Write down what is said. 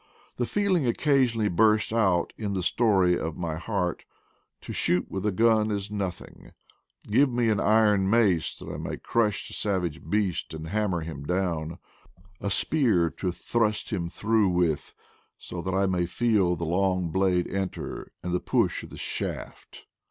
The feeling occasionally bursts out in the Story of My Heart: " To shoot with a gun is noth ing. ... Give me an iron mace that I may crush the savage beast and hammer him down. A spear to thrust him through with, so that I may feel the long blade enter, and the push of the shaft.